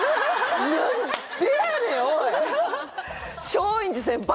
松陰寺先輩！